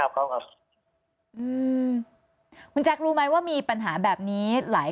ครับอืมคุณแจ๊ครู้ไหมว่ามีปัญหาแบบนี้หลาย